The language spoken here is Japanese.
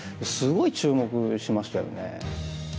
すごい注目しましたよね。